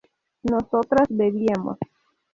¿nosotras bebíamos?